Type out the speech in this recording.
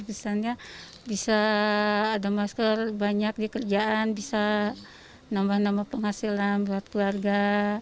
misalnya bisa ada masker banyak di kerjaan bisa nambah nambah penghasilan buat keluarga